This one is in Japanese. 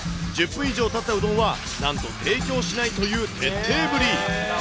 １０分以上たったうどんは、なんと提供しないという徹底ぶり。